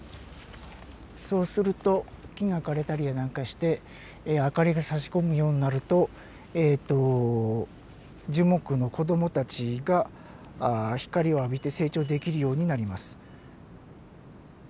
そうすると木が枯れたりや何かして明かりがさし込むようになると樹木の子どもたちが光を浴びて成長できるようになります。